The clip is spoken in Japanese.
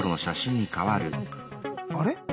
あれ？